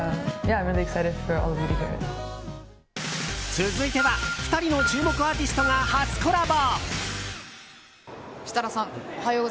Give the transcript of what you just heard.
続いては２人の注目アーティストが初コラボ。